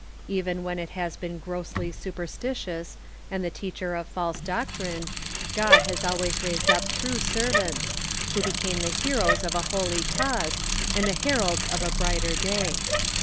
Even Avhen it has been grossly superstitious, and the teacher of false doctrine, God has always raised up true servants, who became the heroes of a holy cause and the heralds of a brighter day.